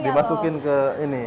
dimasukin ke ini